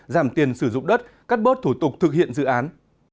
giảm tiền sử dụng đất cắt bớt thủ tục thực hiện dự án